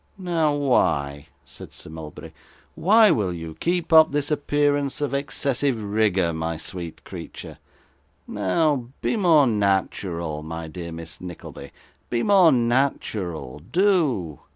'Now why,' said Sir Mulberry, 'why will you keep up this appearance of excessive rigour, my sweet creature? Now, be more natural my dear Miss Nickleby, be more natural do.